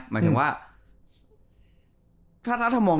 หมายถึงว่าถ้ามอง